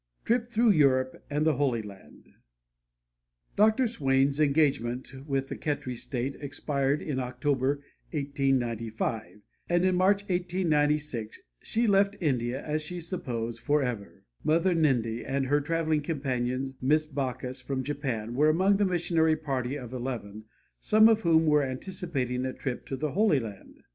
TRIP THROUGH EUROPE AND THE HOLY LAND Dr. Swain's engagement with the Khetri state expired in October, 1895, and in March, 1896, she left India, as she supposed, forever. "Mother Ninde" and her traveling companion, Miss Baucus, from Japan, were among the missionary party of eleven, some of whom were anticipating a trip to the Holy Land.